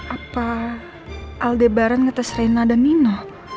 apa aldebaran ngetes reina dan nino